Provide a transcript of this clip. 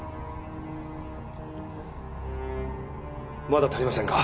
まだ足りませんか？